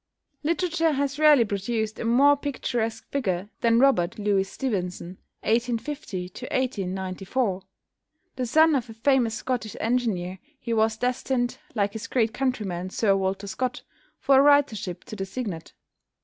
Literature has rarely produced a more picturesque figure than =Robert Louis Stevenson (1850 1894)=. The son of a famous Scottish engineer he was destined, like his great countryman Sir Walter Scott, for a Writership to the Signet.